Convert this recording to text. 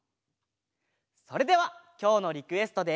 それではきょうのリクエストで。